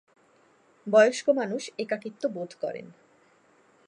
বয়স্ক মানুষ একাকিত্ব বোধ করেন।